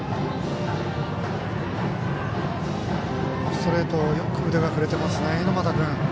ストレートよく腕が振れていますね、猪俣君。